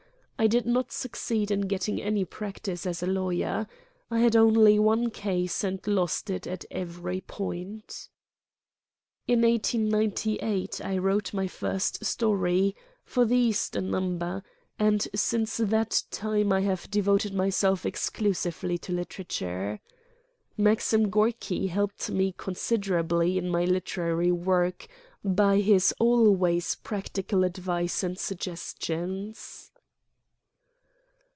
I did not succeed in getting any practice as a lawyer. I had only one case and lost it at every point. '' In 1898 I wrote my first story for the Easter number and since that time I have devoted my self exclusively to literature. Maxim Gorky helped me considerably in my literary work by his always practical advice and suggestions.